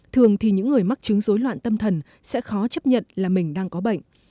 thường thì những người mắc chứng dối loạn tâm thần sẽ khó chấp nhận là mình đang có bệnh